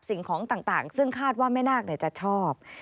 สิ่งของต่างซึ่งคาดว่าแม่นาคจะชอบ